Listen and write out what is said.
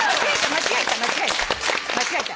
間違えた間違えた。